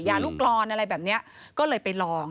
ลูกกรอนอะไรแบบนี้ก็เลยไปลอง